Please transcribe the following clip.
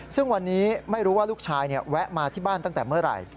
ซึ่งวันนี้ไม่รู้ว่าลูกชายแวะมาที่บ้านตั้งแต่เมื่อไหร่